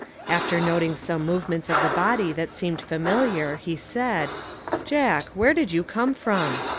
After noting some movements of the body that seemed familiar he said: "Jack, where did you come from?"